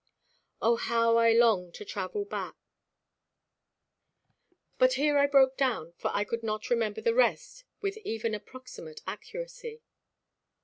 O how I long to travel back '" But here I broke down, for I could not remember the rest with even approximate accuracy.